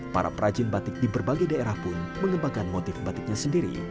para perajin batik di berbagai daerah pun mengembangkan motif batiknya sendiri